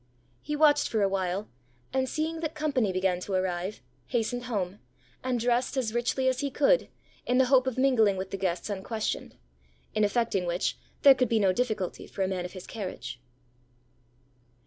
He watched for a while, and seeing that company began to arrive, hastened home, and dressed as richly as he could, in the hope of mingling with the guests unquestioned: in effecting which, there could be no difficulty for a man of his carriage.